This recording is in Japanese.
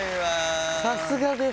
さすがです。